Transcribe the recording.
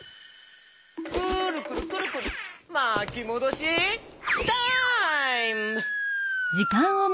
くるくるくるくるまきもどしタイム！